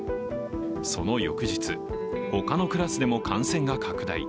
その翌日、他のクラスでも感染が拡大。